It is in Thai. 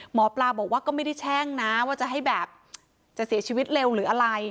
หมอปลาบอกว่าก็ไม่ได้แช่งนะว่าจะให้แบบจะเสียชีวิตเร็วหรืออะไร